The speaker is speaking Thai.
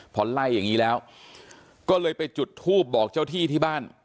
พอไล่อย่างนี้แล้วก็เลยไปจุดทูบบอกเจ้าที่ที่บ้าน